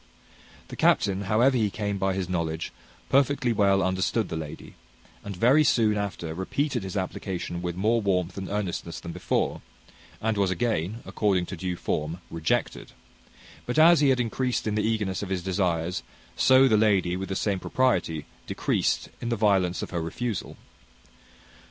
The captain, however he came by his knowledge, perfectly well understood the lady, and very soon after repeated his application with more warmth and earnestness than before, and was again, according to due form, rejected; but as he had increased in the eagerness of his desires, so the lady, with the same propriety, decreased in the violence of her refusal.